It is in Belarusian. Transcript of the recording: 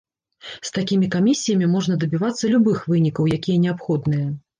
З такімі камісіямі можна дабівацца любых вынікаў, якія неабходныя.